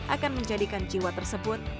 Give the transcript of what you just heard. akan menjadikan jiwa tersebut